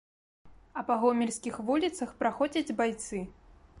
А па гомельскіх вуліцах праходзяць байцы.